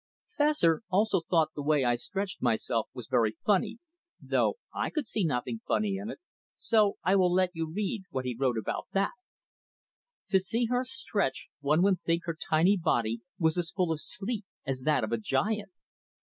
Fessor also thought the way I stretched myself was very funny, though I could see nothing funny in it; so I will let you read what he wrote about that: "To see her stretch one would think her tiny body was as full of sleep as that of a giant.